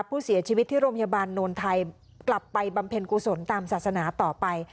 ผู้เสียชีวิตที่โรงพยาบาลโนนไทยกลับไปบำเพ็ญกุศลตามศาสนาต่อไป